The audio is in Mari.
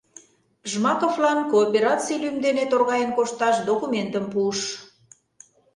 Жмаковлан коопераций лӱм дене торгаен кошташ документым пуыш...